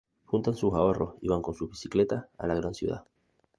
Juntan sus ahorros y van con sus bicicletas a la gran ciudad.